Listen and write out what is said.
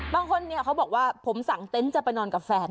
บางคนเนี่ยเขาบอกว่าผมสั่งเต็นต์จะไปนอนกับแฟน